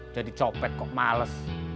jadi copet kok males